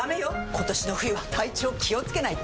今年の冬は体調気をつけないと！